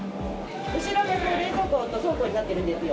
後ろは冷蔵庫と倉庫になってるんですよ。